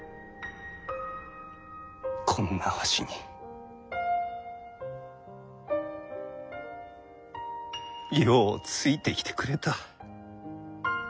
こんなわしにようついてきてくれた。